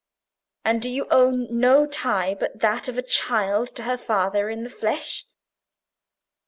"And do you own no tie but that of a child to her father in the flesh?